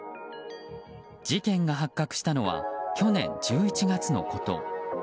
事件が発覚したのは去年１１月のこと。